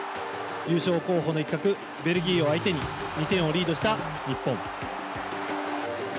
優勝候補の一角ベルギーを相手に２点をリードした日本。